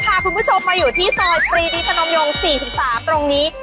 พาคุณผู้ชมมาอยู่ที่ซอยปรีดีพนมยง๔๓ตรงนี้